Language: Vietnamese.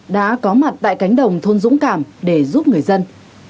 đã có mặt tại cánh đồng thôn dũng cảm để giúp người dân